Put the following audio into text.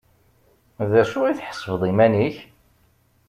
D acu i tḥesbeḍ iman-ik?